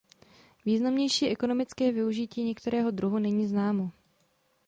Významnější ekonomické využití některého druhu není známo.